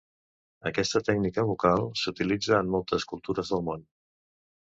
Aquesta tècnica vocal s'utilitza en moltes cultures del món.